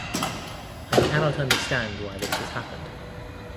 I cannot understand why this has happened.